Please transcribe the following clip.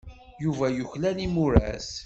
Yuba yuklal imuras.